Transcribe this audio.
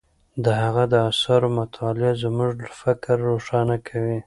د هغه د آثارو مطالعه زموږ فکر روښانه کوي.